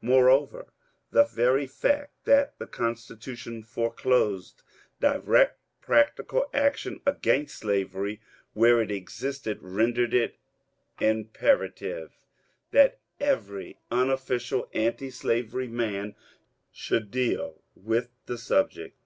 Moreover, the very fact that the Constitution foreclosed direct practical action against slavery where it existed rendered it imperative that every unofficial antislavery man should deal with the subject.